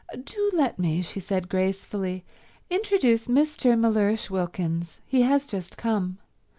"Do let me," she said gracefully, "introduce Mr. Mellersh Wilkins. He has just come.